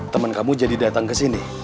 temen kamu jadi datang kesini